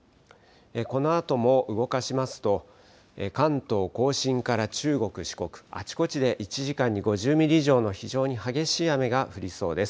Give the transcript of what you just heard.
このあとも動かしますと、関東甲信から中国、四国、あちこちで１時間に５０ミリ以上の非常に激しい雨が降りそうです。